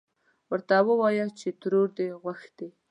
ورته ووايه چې ترور دې غوښتې.